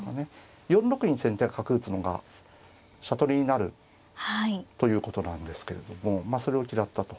４六に先手は角打つのが飛車取りになるということなんですけれどもそれを嫌ったと。